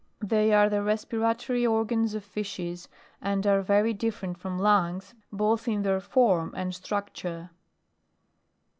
They are the respiratory organs of fishes, and are very different from lungs, both in their form and structure.